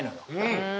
うん。